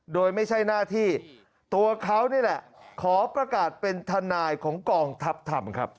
โดยไม่ใช่หน้าที่ตัวเขานี่แหละขอประกาศเป็นทนายของกองทัพธรรมครับ